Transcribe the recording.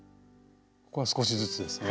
ここは少しずつですね。